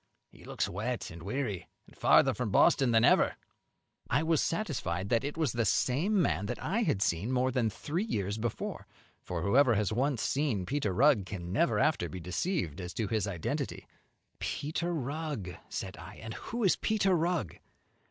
he looks wet and weary, and farther from Boston than ever." I was satisfied it was the same man that I had seen more than three years before; for whoever has once seen Peter Rugg can never after be deceived as to his identity. "Peter Rugg!" said I, "and who is Peter Rugg?"